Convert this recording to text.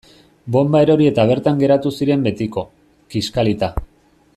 Bonba erori eta bertan geratu ziren betiko, kiskalita.